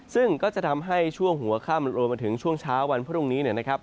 ซึ่งก็จะทำให้ช่วงหัวค่ำรวมมาถึงช่วงเช้าวันพรุ่งนี้นะครับ